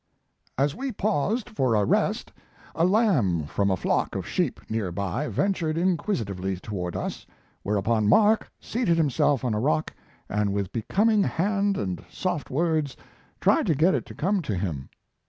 As we paused for a rest, a lamb from a flock of sheep near by ventured inquisitively toward us, whereupon Mark seated himself on a rock, and with beckoning hand and soft words tried to get it to come to him.